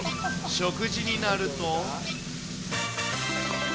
食事になると。